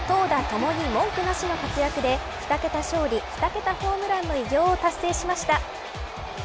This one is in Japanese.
ともに文句なしの活躍で２桁勝利、２桁ホームランの偉業を達成しました。